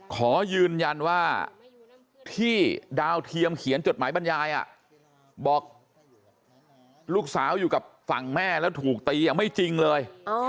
ขอยืนยันว่าที่ดาวเทียมเขียนจดหมายบรรยายบอกลูกสาวอยู่กับฝั่งแม่แล้วถูกตีไม่จริงเลย